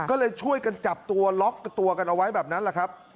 ก็เลยช่วยกันจับตัวล็อกตัวกันเอาไว้แบบนั้นแหละครับ